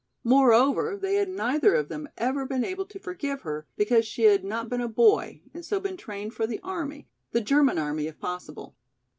Moreover, they had neither of them ever been able to forgive her because she had not been a boy and so been trained for the army, the German army if possible.